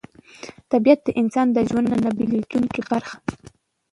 طبیعت د انسان د ژوند نه بېلېدونکې برخه ده